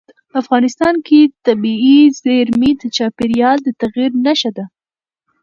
افغانستان کې طبیعي زیرمې د چاپېریال د تغیر نښه ده.